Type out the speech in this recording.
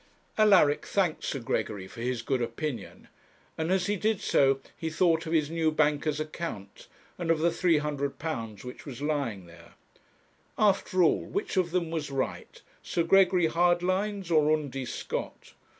Alaric thanked Sir Gregory for his good opinion, and as he did so, he thought of his new banker's account, and of the £300 which was lying there. After all, which of them was right, Sir Gregory Hardlines or Undy Scott?